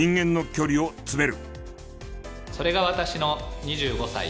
それが私の２５歳。